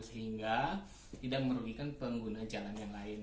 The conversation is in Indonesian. sehingga tidak merugikan pengguna jalan yang lain